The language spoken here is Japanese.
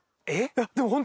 でもホント。